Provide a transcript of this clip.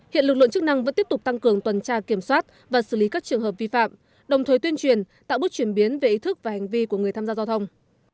hiện lực lượng chức năng vẫn tiếp tục tăng cường tuần tra kiểm soát và xử lý các trường hợp vi phạm đồng thời tuyên truyền tạo bước chuyển biến về ý thức và hành vi của người tham gia giao thông